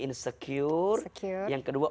insecure yang kedua